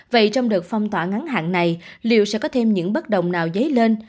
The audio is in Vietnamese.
vậy trong đợt phong tỏa ngắn hạn này liệu sẽ có thêm những bất đồng nào dấy lên